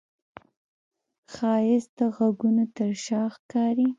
ښایست د غږونو تر شا ښکاري